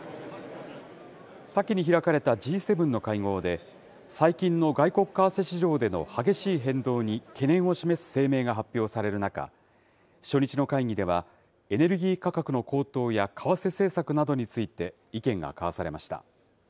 先に開かれたＧ７の会合で、最近の外国為替市場での激しい変動に懸念を示す声明が発表される中、初日の会議では、エネルギー価格の高騰や為替政策などについて、意見が交わされました。